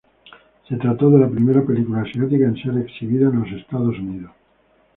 Se trató de la primera película asiática en ser exhibida en Estados Unidos.